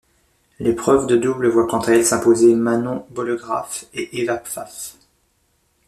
L'épreuve de double voit quant à elle s'imposer Manon Bollegraf et Eva Pfaff.